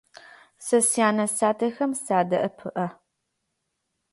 Сэ сянэ-сятэхэм садэӀэпыӀэ.